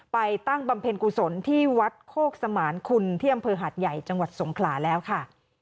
ตั้งบำเพ็ญกุศลที่วัดโคกสมานคุณที่อำเภอหาดใหญ่จังหวัดสงขลาแล้วค่ะ